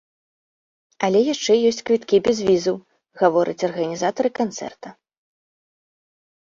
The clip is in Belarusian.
Але яшчэ ёсць квіткі без візаў, гавораць арганізатары канцэрта.